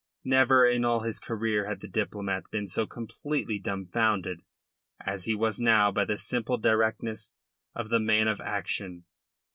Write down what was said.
Never in all his career had the diplomat been so completely dumbfounded as he was now by the simple directness of the man of action.